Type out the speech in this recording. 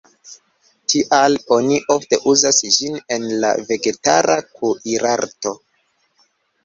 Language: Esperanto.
Tial oni ofte uzas ĝin en la vegetara kuirarto.